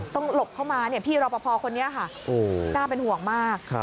ต้องหลบเข้ามาเนี่ยพี่รอปภคนนี้ค่ะกล้าเป็นห่วงมาก